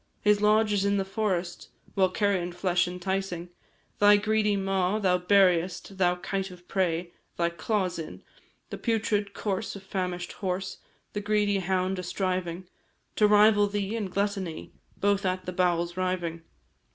His lodge is in the forest; While carion flesh enticing Thy greedy maw, thou buriest Thou kite of prey! thy claws in The putrid corse of famish'd horse, The greedy hound a striving To rival thee in gluttony, Both at the bowels riving.